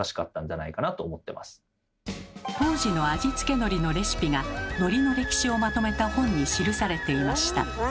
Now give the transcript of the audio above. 当時の味付けのりのレシピがのりの歴史をまとめた本に記されていました。